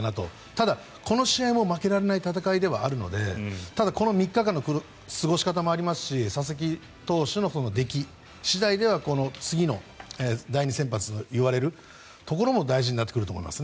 ただ、この試合も負けられない戦いではあるのでただ、この３日間の過ごし方もありますし佐々木投手のでき次第では次の第２先発といわれるところも大事になってくると思います。